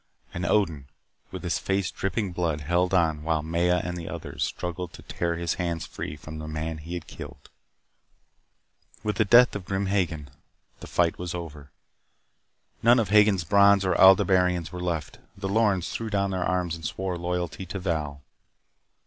And Odin, with his face dripping blood, held on while Maya and the others struggled to tear his hands free from the man he had killed. With the death of Grim Hagen the fight was over. None of Hagen's Brons or Aldebaranians were left. The Lorens threw down their arms and swore loyalty to Val.